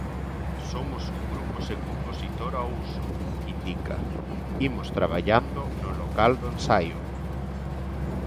"Somos un grupo sen compositor ao uso, indica, "imos traballando no local do ensaio.